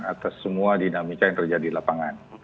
atas semua dinamika yang terjadi di lapangan